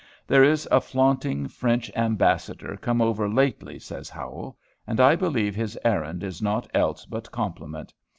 "There is a flaunting French Ambassador come over lately," says Howel, "and I believe his errand is naught else but compliment....